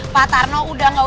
pak tarno udah gak